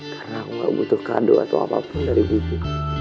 karena aku ga butuh kado atau apapun dari bibi